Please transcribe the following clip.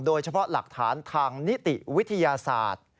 โดยเฉพาะหลักฐานทางนิติวิทยาศาสตร์